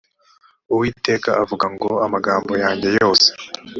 uwiteka avuga ngo amagambo yanjye yose